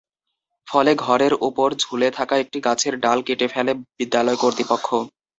ফলে ঘরের ওপর ঝুলে থাকা একটি গাছের ডাল কেটে ফেলে বিদ্যালয় কর্তৃপক্ষ।